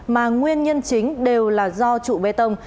mà nguyên nhân chính đều là do trụ bê tông